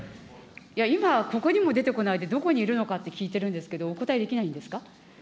今はここにも出てこないで、どこにいるのかって聞いてるんですが、お答えできないんですか。